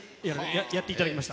やっていただきました。